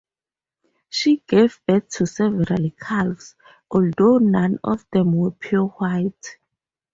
She gave birth to several calves, although none of them were pure white.